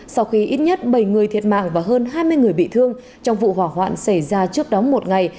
sau khi ít nhất bảy người thiệt mạng và hơn hai mươi người bị thương trong vụ hỏa hoạn xảy ra trước đó một ngày